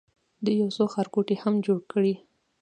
دوی یو څو ښارګوټي هم جوړ کړي.